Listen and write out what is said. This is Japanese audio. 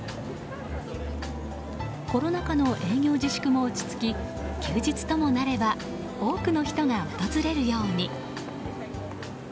コロナ禍の営業自粛も落ち着き休日ともなれば多くの人が訪れるように。